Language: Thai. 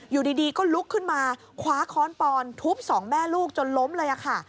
อยู่ดีก็ลุกขึ้นมาคว้าค้อนปอนทุบสองแม่ลูกจนล้มเลยค่ะ